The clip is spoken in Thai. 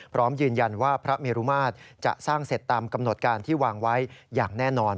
พร้อมยืนยันว่าพระเมรุมาตรจะสร้างเสร็จตามกำหนดการที่วางไว้อย่างแน่นอน